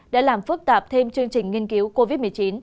đã làm phức tạp thêm chương trình nghiên cứu covid một mươi chín